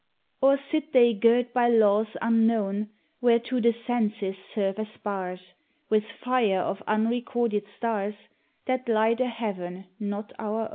Or sit they girt by laws unknown Whereto the senses serve as bars With fire of unrecorded stars That light a heaven not our own?